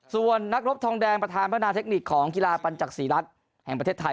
ส่วนนักรบทองแดงประธานพัฒนาเทคนิคของกีฬาปัญจักษีรัฐแห่งประเทศไทย